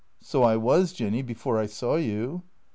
" So I was, Jinny, before I saw you."